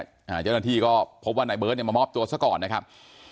เจ้าหน้าที่ก็พบว่านายเบิร์ตเนี่ยมามอบตัวซะก่อนนะครับ